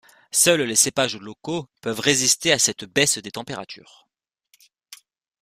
Seuls les cépages locaux peuvent résister à cette baisse des températures.